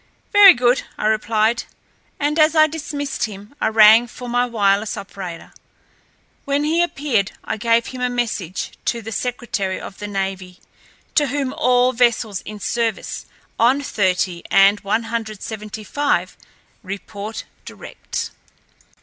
"Very good," I replied; and, as I dismissed him, I rang for my wireless operator. When he appeared, I gave him a message to the secretary of the navy, to whom all vessels in service on thirty and one hundred seventy five report direct.